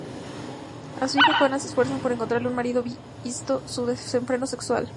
A su hija Juana se esfuerzan por encontrarle un marido visto su desenfreno sexual.